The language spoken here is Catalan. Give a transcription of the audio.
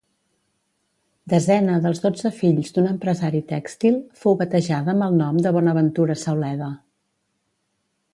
Desena dels dotze fills d'un empresari tèxtil, fou batejada amb el nom de Bonaventura Sauleda.